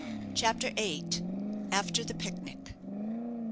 CHAPTER VIII. AFTER THE PIC NIC.